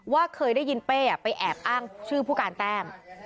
เคยได้ยินเป้ไปแอบอ้างชื่อผู้การแต้ม